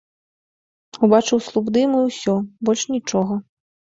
Убачыў слуп дыму і ўсё, больш нічога.